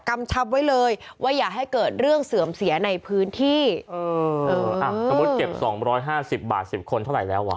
กำชับไว้เลยว่าอย่าให้เกิดเรื่องเสื่อมเสียในพื้นที่เออเอออ่ะสมมุติเก็บสองร้อยห้าสิบบาทสิบคนเท่าไหร่แล้วอ่ะ